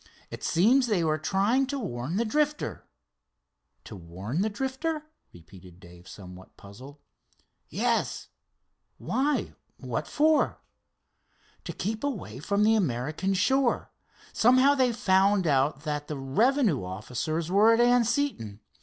It seems they were trying to warn the Drifter." "To warn the Drifter?" repeated Dave somewhat puzzled. "Yes." "Why, what for?" "To keep away from the American shore. Somehow, they had found out that the revenue officers were at Anseton.